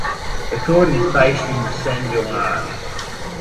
The court is based in San Juan.